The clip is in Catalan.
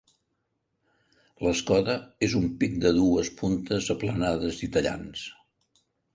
L’escoda és un pic de dues puntes aplanades i tallants.